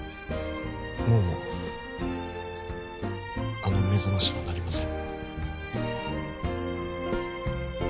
もうあの目覚ましは鳴りません